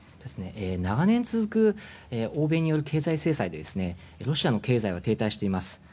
長年続く欧米による経済制裁でロシアの経済は停滞しています。